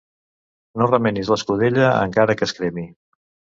No remenis l'escudella encara que es cremi.